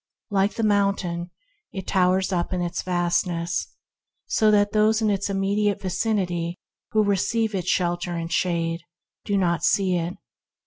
Like the mountain, it towers up in its vastness, so that those in its immediate vicinity, who receive its shelter and shade, do not see it.